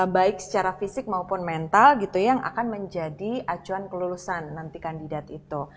baik secara fisik maupun mental gitu yang akan menjadi acuan kelulusan nanti kandidat itu